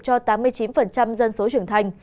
cho tám mươi chín dân số trưởng thành